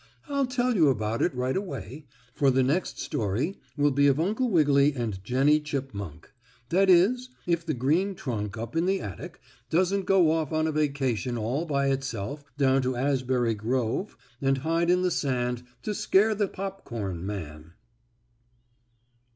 I'll tell you about it right away, for the next story will be of Uncle Wiggily and Jennie Chipmunk that is, if the green trunk up in the attic doesn't go off on a vacation all by itself down to Asbury Grove, and hide in the sand to scare the popcorn man.